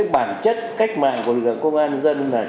bản chất cách mạng của công an nhân dân